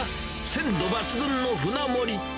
鮮度抜群の舟盛り。